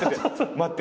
待って。